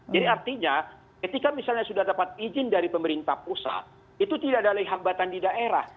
jadi artinya ketika misalnya sudah dapat izin dari pemerintah pusat itu tidak ada lagi hambatan di daerah